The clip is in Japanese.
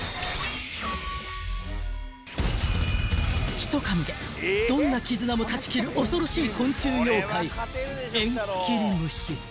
［ひとかみでどんな絆も断ち切る恐ろしい昆虫妖怪］